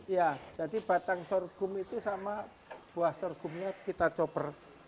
ya jadi batang sorghum itu sama buah sorghumnya kita chopper